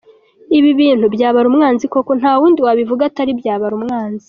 Ibi bintu byabara umwanzi koko, nta wundi wabivuga atari Byabarumwanzi.